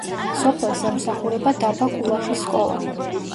სოფელს ემსახურება დაბა კულაშის სკოლა.